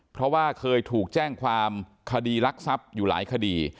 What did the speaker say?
เพราะว่าเคยถูกแจ้งความคดีรักทรัพย์อยู่หลายคดี